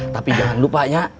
tapi jangan lupa nya